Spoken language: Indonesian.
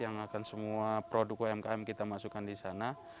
yang akan semua produk umkm kita masukkan di sana